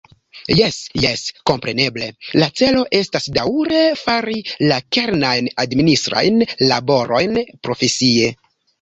Jes, jes, kompreneble la celo estas daŭre fari la kernajn administrajn laborojn profesie.